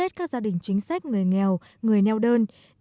họ chúc tết các gia đình chính sách người nghèo người neo đơn